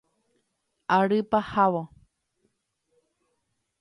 Ary pahávo.